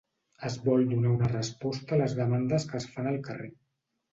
Es vol donar una resposta a les demandes que es fan al carrer.